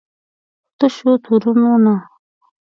په تشو تورونو نه.